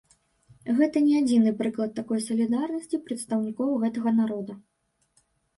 Гэта не адзіны прыклад такой салідарнасці прадстаўнікоў гэтага народа.